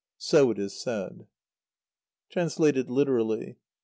So it is said. (Translated literally.